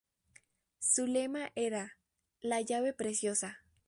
Su lema era ""La llave precisa"".